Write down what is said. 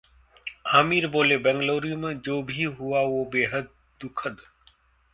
आमिर बोले- बंगलुरु में जो भी हुआ वो बेहद दुखद